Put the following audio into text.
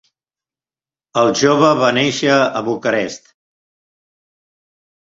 El jove va néixer a Bucarest.